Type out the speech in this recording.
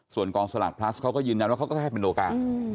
ส่วนกองสลากพลัสเขาก็ยืนยันว่าเขาก็ให้เป็นโอกาส